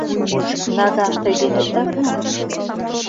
Наган тый денетак мо?